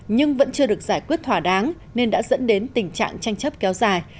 nhưng vẫn chưa được giải quyết thỏa đáng nên đã dẫn đến tình trạng tranh chấp kéo dài